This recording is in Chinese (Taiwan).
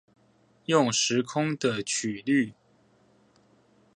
用時空的曲率